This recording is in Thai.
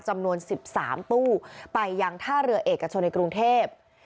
จำนวน๑๓ตู้ไปยังท่าเรือเอกชนในกรุงเทพ